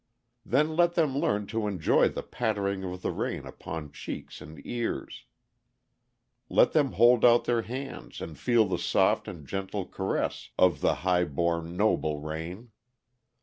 Then let them learn to enjoy the pattering of the rain upon cheeks and ears. Let them hold out their hands and feel the soft and gentle caresses of the "high born, noble rain."